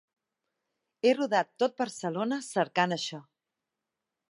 He rodat tot Barcelona cercant això.